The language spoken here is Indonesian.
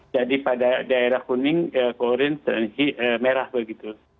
jadi pada daerah kuning korea merah begitu